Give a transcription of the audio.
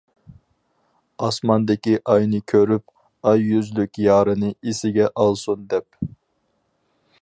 ئاسماندىكى ئاينى كۆرۈپ، ئاي يۈزلۈك يارىنى ئېسىگە ئالسۇن دەپ.